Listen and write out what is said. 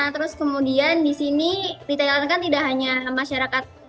terus kemudian di sini di thailand kan tidak hanya masyarakat